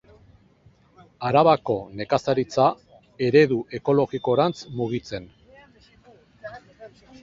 Arabako nekazaritza eredu ekologikorantz mugitzen.